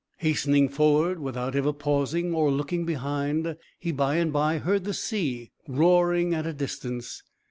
Hastening forward, without ever pausing or looking behind, he by and by heard the sea roaring at a distance.